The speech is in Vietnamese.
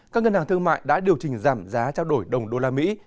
các ngân hàng thương mại đã điều chỉnh giảm giá trao đổi đồng đô la mỹ